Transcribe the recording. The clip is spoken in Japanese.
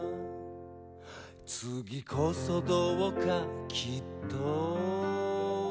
「次こそどうかきっと」